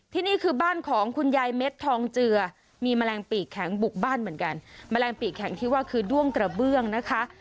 นี่คือบ้านของคุณยายเม็ดทองเจือมีแมลงปีกแข็งบุกบ้านเหมือนกันแมลงปีกแข็งที่ว่าคือด้วงกระเบื้องนะคะ